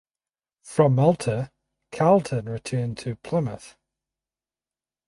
From Malta "Carlton" returned to Plymouth.